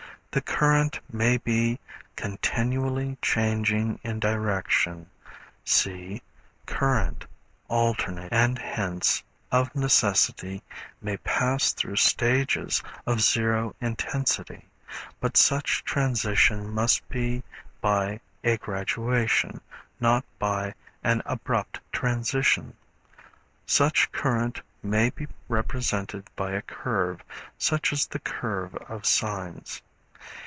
The current may be continually changing in direction (see Current, Alternating), and hence, of necessity, may pass through stages of zero intensity, but such transition must be by a graduation, not by an abrupt transition. Such current may be represented by a curve, such as the curve of sines.